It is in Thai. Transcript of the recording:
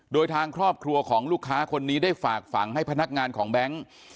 โดยทางครอบครัวของลูกค้าคนนี้ได้ฝากฝังให้พนักงานของแบงค์